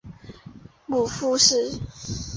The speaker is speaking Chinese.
母傅氏。